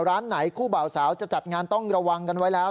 ร้านไหนคู่บ่าวสาวจะจัดงานต้องระวังกันไว้แล้ว